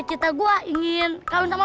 kemana itu dulu yaa